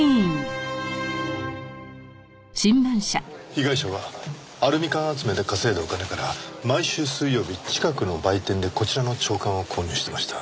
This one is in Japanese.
被害者はアルミ缶集めで稼いだお金から毎週水曜日近くの売店でこちらの朝刊を購入してました。